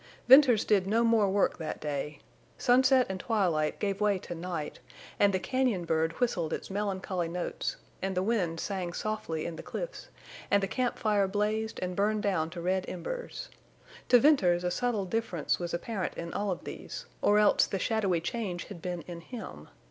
Venters did no more work that day. Sunset and twilight gave way to night, and the cañon bird whistled its melancholy notes, and the wind sang softly in the cliffs, and the camp fire blazed and burned down to red embers. To Venters a subtle difference was apparent in all of these, or else the shadowy change had been in him.